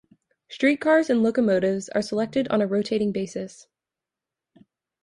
Streetcars and locomotives are selected on a rotating basis.